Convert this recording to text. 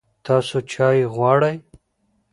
تاسو چای غواړئ؟